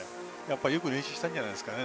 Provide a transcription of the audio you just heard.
よく練習したんじゃないんですかね